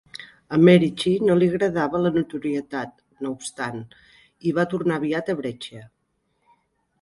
A Merici no li agradava la notorietat, no obstant, i va tornar aviat a Brescia.